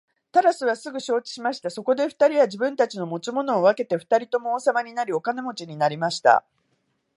タラスはすぐ承知しました。そこで二人は自分たちの持ち物を分けて二人とも王様になり、お金持になりました。